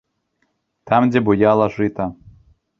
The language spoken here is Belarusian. Там, дзе буяла жыта.